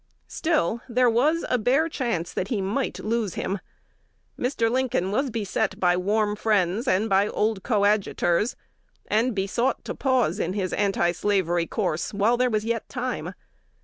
Still, there was a bare chance that he might lose him. Mr. Lincoln was beset by warm friends and by old coadjutors, and besought to pause in his antislavery course while there was yet time.